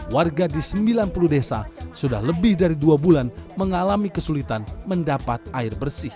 warga di sembilan puluh desa sudah lebih dari dua bulan mengalami kesulitan mendapat air bersih